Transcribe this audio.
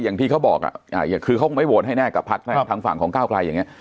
อย่างที่เขาบอกคือเขาคงไม่โหวตให้แน่กับพักทางฝั่งของก้าวไกลอย่างนี้